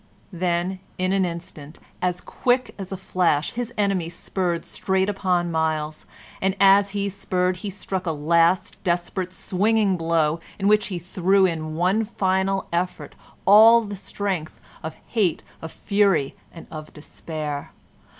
Then in an instant, as quick as a flash, his enemy spurred straight upon Myles, and as he spurred he struck a last desperate, swinging blow, in which he threw in one final effort all the strength of hate, of fury, and of despair.